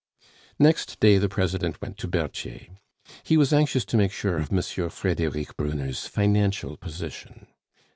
Next day the President went to Berthier. He was anxious to make sure of M. Frederic Brunner's financial position.